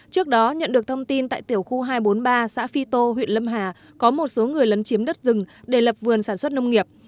trước đó nhận được thông tin tại tiểu khu hai trăm bốn mươi ba xã phi tô huyện lâm hà có một số người lấn chiếm đất rừng để lập vườn sản xuất nông nghiệp